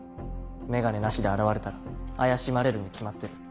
眼鏡なしで現れたら怪しまれるに決まってる。